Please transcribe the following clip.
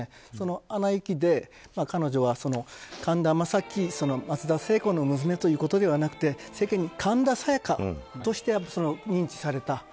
「アナ雪」で彼女は神田正輝、松田聖子の娘ということではなくて世間に神田沙也加として認知された。